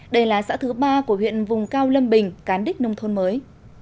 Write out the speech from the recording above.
đây là xã thứ ba của huyện vùng cao lâm bình cán đích nông thôn mới